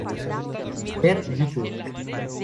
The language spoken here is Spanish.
Ver youtube.